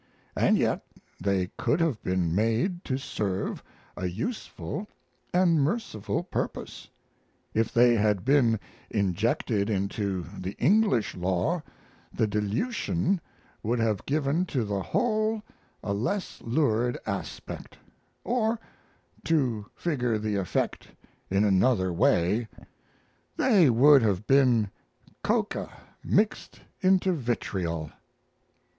And yet they could have been made to serve a useful and merciful purpose; if they had been injected into the English law the dilution would have given to the whole a less lurid aspect; or, to figure the effect in another way, they would have been coca mixed into vitriol.